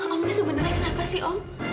om ini sebenarnya kenapa sih om